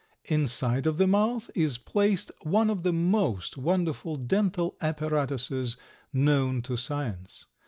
Inside of the mouth is placed one of the most wonderful dental apparatuses known to science.